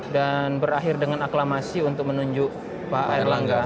dan berakhir dengan aklamasi untuk menunjuk pak erlangga